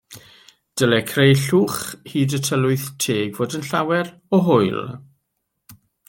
Dylai creu llwch hyd y tylwyth teg fod yn llawer o hwyl.